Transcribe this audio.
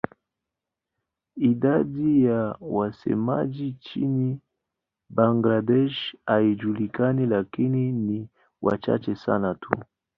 Idadi ya wasemaji nchini Bangladesh haijulikani lakini ni wachache sana tu.